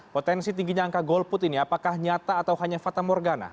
potensi tingginya angka golput ini apakah nyata atau hanya fata morgana